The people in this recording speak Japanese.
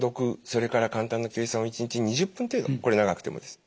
それから簡単な計算を１日２０分程度これ長くてもです。